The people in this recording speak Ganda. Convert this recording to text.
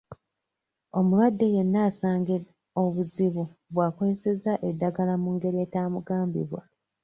Omulwadde yenna asanga obuzibu bw'akozesezza eddagala mu ngeri etaamugambibwa.